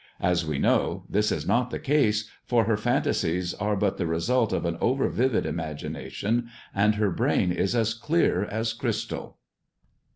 As we know, this is not the case, for her fantasies are but the result of an over vivid imagination, and her brain is as clear as crystal.